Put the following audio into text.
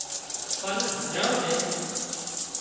ڦل هڌران سي